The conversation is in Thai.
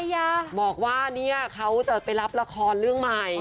ม้ากว่าเขาจะไปรับราคอลเรื่องใหม่